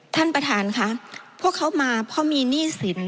ท่านประธานค่ะพวกเขามาเพราะมีหนี้สิน